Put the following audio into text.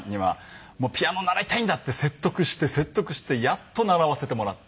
ピアノ習いたいんだって説得して説得してやっと習わせてもらって。